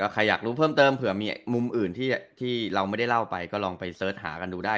ใครอยากรู้เพิ่มเติมเผื่อมีมุมอื่นที่เราไม่ได้เล่าไปก็ลองไปเสิร์ชหากันดูได้